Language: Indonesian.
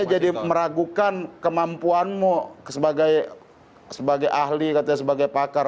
saya jadi meragukan kemampuanmu sebagai ahli katanya sebagai pakar